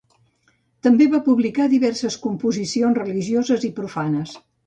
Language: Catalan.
També va publicar diverses composicions religioses i profanes.